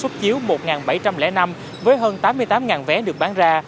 xuất chiếu một bảy trăm linh năm với hơn tám mươi tám vé được bán ra